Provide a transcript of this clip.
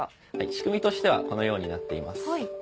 仕組みとしてはこのようになっています。